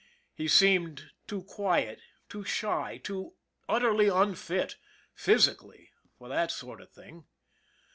He seemed too quiet, too shy, too utterly unfit, physically, for that sort of thing.